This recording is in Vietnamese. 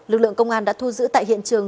lực lượng công an đã thu giữ tại hiện trường